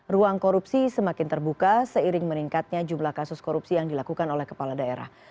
ruang korupsi semakin terbuka seiring meningkatnya jumlah kasus korupsi yang dilakukan oleh kepala daerah